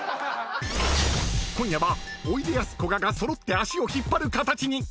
［今夜はおいでやすこがが揃って足を引っ張る形に］